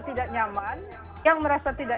tidak nyaman yang merasa tidak